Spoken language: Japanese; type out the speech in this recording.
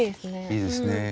いいですね。